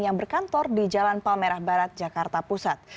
yang berkantor di jalan palmerah barat jakarta pusat